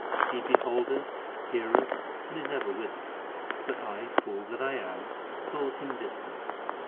He beholdeth, heareth, and is ever with us ; but I, fool that I am, thought Him distant.